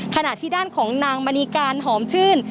ขณะที่ด้านของนางมณีการหอมชื่น